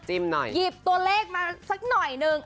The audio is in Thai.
หยิบตัวเลขมาสักหน่อยนึง